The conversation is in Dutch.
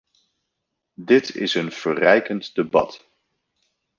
Dit is een verreikend debat.